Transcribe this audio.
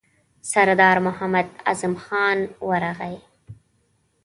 سردار محمد اعظم خان ورغی.